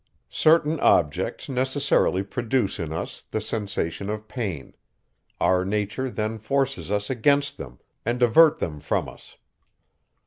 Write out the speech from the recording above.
Certain objects necessarily produce in us the sensation of pain; our nature then forces us against them, and avert them from us.